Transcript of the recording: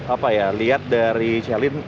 apa ya lihat dari chelin